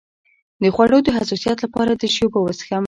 د خوړو د حساسیت لپاره د څه شي اوبه وڅښم؟